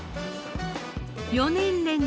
４年連続